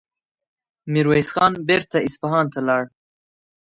ميرويس خان بېرته اصفهان ته لاړ.